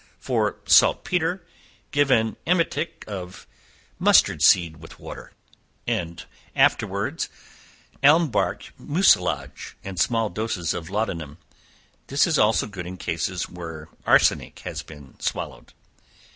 For "saltpetre," give an emetic of mustard seed with water, and afterwards elm bark mucilage, and small doses of laudanum. This is also good in cases where arsenic has been swallowed.